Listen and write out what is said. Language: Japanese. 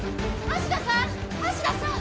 橋田さん！